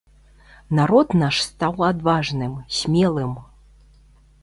Народ наш стаў адважным, смелым.